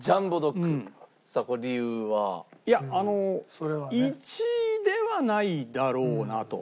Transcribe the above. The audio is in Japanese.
いやあの１位ではないだろうなと。